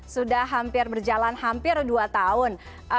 sudah hampir berjalan hampir dua tahun